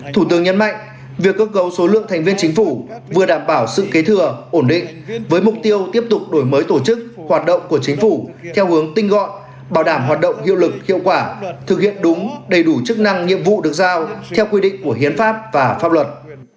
thủ tướng nhấn mạnh việc cơ cấu số lượng thành viên chính phủ vừa đảm bảo sự kế thừa ổn định với mục tiêu tiếp tục đổi mới tổ chức hoạt động của chính phủ theo hướng tinh gọn bảo đảm hoạt động hiệu lực hiệu quả thực hiện đúng đầy đủ chức năng nhiệm vụ được giao theo quy định của hiến pháp và pháp luật